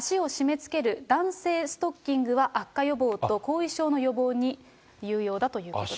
また足を締めつける弾性ストッキングは悪化予防と後遺症の予防に有用だということです。